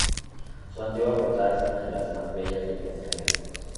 Su antigua portada es una de las más bellas de Tlaxcala.